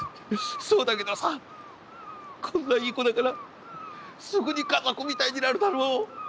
そうだけどさこんないい子だからすぐに家族みたいになるだろう。